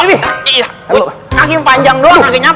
lagi panjang doang